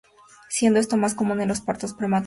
Siendo esto más común en los partos prematuros.